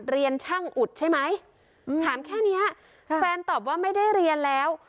เรียนช่างอุดใช่ไหมถามแค่เนี้ยแฟนตอบว่าไม่ได้เรียนแล้ว